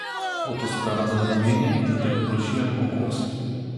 "Oto sprawa do omówienia i dlatego prosiłem o głos."